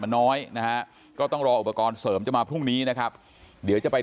มันน้อยนะฮะก็ต้องรออุปกรณ์เสริมจะมาพรุ่งนี้นะครับเดี๋ยวจะไป